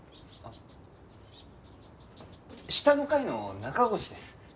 あっ下の階の中越です。